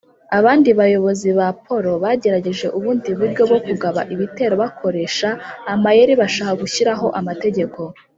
Abandi bayobozi ba Poro bagerageje ubundi buryo bwo kugaba ibitero bakoresha amayeri bashaka gushyiraho amategeko